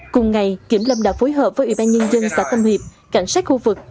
cùng ngày kiểm lâm đã phối hợp với ủy ban nhân dân xã tâm hiệp cảnh sát khu vực